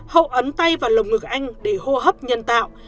hậu ấn tay và lồng ngực anh để hô hấp nhân tạo